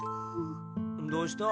どうした？